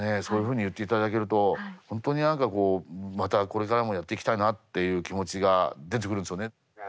そういうふうに言っていただけると本当に何かこうまたこれからもやっていきたいなっていう気持ちが出てくるんですよね。